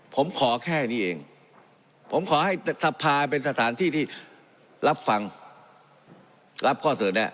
ผมขอแค่นี้เองผมขอให้สภาเป็นสถานที่ที่รับฟังรับข้อเสนอแน่